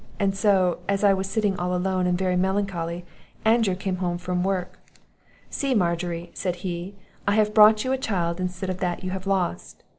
And so, as I was sitting all alone, and very melancholy, Andrew came home from work; 'See, Margery,' said he, 'I have brought you a child instead of that you have lost.